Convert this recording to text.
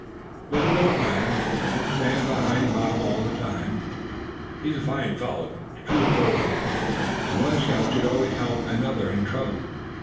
But it don't matter; we'll stand behind Bob all the time. He's a fine fellow, as true as gold; and one scout should always help another in trouble."